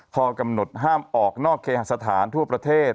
ข้อกำหนดห้ามออกนอกเคหสถานทั่วประเทศ